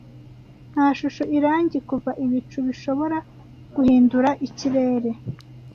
Nta shusho irangi kuva ibicu bishobora guhindura ikirere